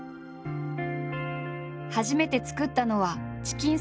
初めて作ったのはチキンソテー。